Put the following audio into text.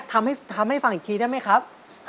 ทำให้ฟังอีกทีได้ไหมครับ